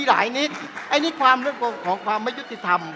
อันนี้ความเรื่องของความไม่ยุติธรรม